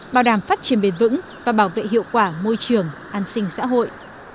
bảo đảm phát triển bền vững và bảo vệ hiệu quả môi trường an sinh xã hội